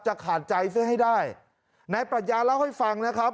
ขาดใจซื้อให้ได้นายปรัชญาเล่าให้ฟังนะครับ